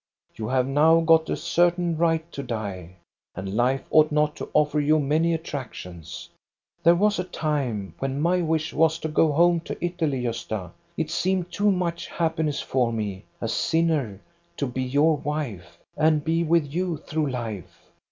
You have now got a certain right to die, and life ought not to offer you many attractions. There was a time when my wish was to go home to Italy, Gosta. It seemed too much happiness for me, a sinner, to be your wife, and be with you through life.